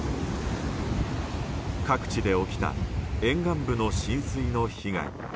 各地で起きた沿岸部の浸水の被害。